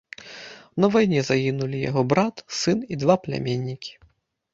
На вайне загінулі яго брат, сын і два пляменнікі.